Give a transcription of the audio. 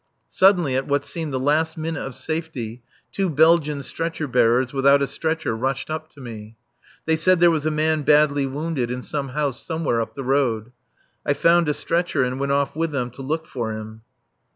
Suddenly, at what seemed the last minute of safety, two Belgian stretcher bearers, without a stretcher, rushed up to me. They said there was a man badly wounded in some house somewhere up the road. I found a stretcher and went off with them to look for him.